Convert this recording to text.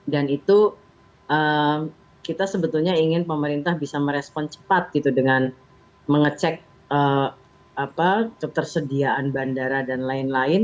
dan itu kita sebetulnya ingin pemerintah bisa merespon cepat gitu dengan mengecek ketersediaan bandara dan lain lain